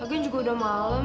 lagian juga udah malem